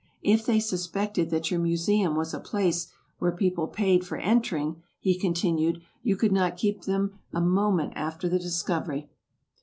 If they suspected that your Museum was a place where people paid for entering," he continued, "you could not keep them a moment after the discovery."